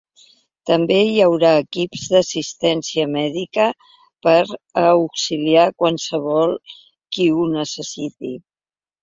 També hi haurà equips d’assistència mèdica per a auxiliar qualsevol qui ho necessiti.